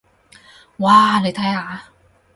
哇，你睇下！